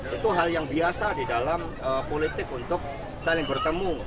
itu hal yang biasa di dalam politik untuk saling bertemu